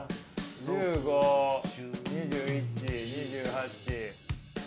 １５２１２８３６。